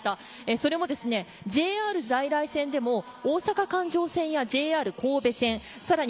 それも、ＪＲ在来線でも大阪環状線やＪＲ神戸線さらに